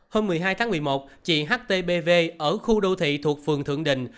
hôm một mươi hai tháng một mươi một chị htbv ở khu đô thị thuộc phường thượng đình